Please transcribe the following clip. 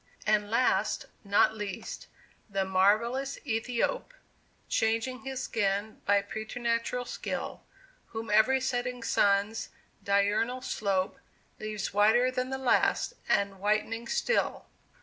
And last, not least, the marvellous Ethiope, Changing his skin by preternatural skill, Whom every setting sun's diurnal slope Leaves whiter than the last, and whitening still.